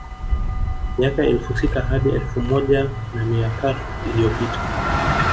Miaka elfu sita hadi elfu moja na mia tatu iliyopita